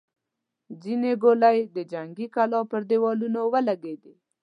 ځينې ګولۍ د جنګي کلا پر دېوالونو ولګېدې.